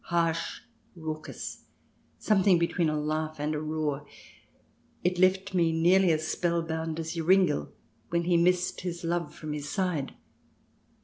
Harsh, raucous, something between a laugh and a roar, it left me nearly as spellbound as Joringel when he missed his love from his side.